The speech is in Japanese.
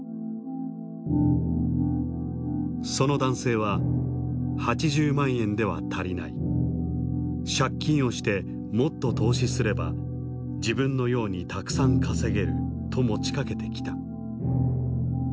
その男性は借金をしてもっと投資すれば自分のようにたくさん稼げると持ちかけてきた。